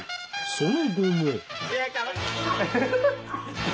その後も。